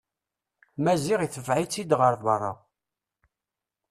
Maziɣ itbeɛ-itt-id ɣer berra.